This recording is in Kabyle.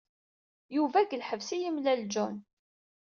Yuba deg lḥebs i yemlal John.